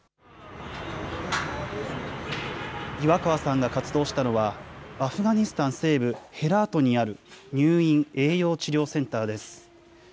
岩川さんが活動したのは、アフガニスタン西部ヘラートにある入院栄養治療センターです。